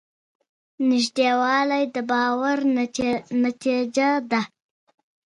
نږدېوالی د باور نتیجه ده.